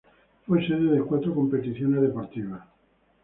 Fue sede de cuatro competiciones deportivas.